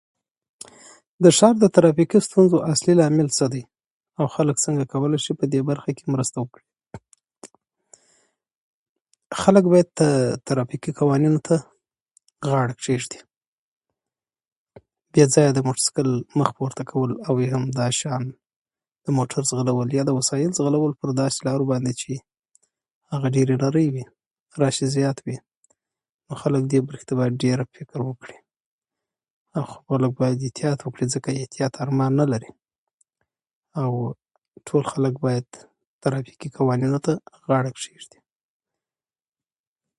۴. تعليم د هر انسان لپاره ډېر مهم دی، ځکه چې د علم په وسيله کولی شو خپل ژوند روښانه او راتلونکی ښه جوړ کړو.